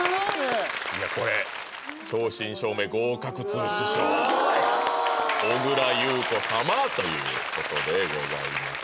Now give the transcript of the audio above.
いやこれ正真正銘合格通知書「小倉優子様」ということでございます